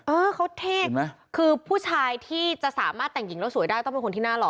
เออเขาเท่นะคือผู้ชายที่จะสามารถแต่งหญิงแล้วสวยได้ต้องเป็นคนที่น่าหล